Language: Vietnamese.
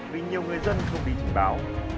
vì nhiều người dân không bị trình báo